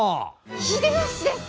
秀吉です！